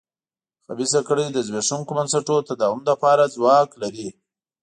خبیثه کړۍ د زبېښونکو بنسټونو تداوم لپاره ځواک لري.